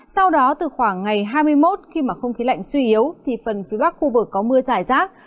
sau đó từ khoảng ngày hai mươi một khi không khí lạnh suy yếu phần phía bắc khu vực có mưa rải rác